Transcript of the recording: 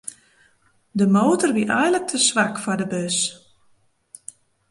De motor wie eink te swak foar de bus.